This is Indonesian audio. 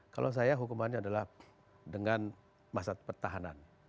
kalau saya hukumannya adalah dengan masa pertahanan